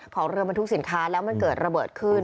ของเรือบรรทุกสินค้าแล้วมันเกิดระเบิดขึ้น